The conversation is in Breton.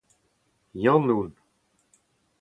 Yann on.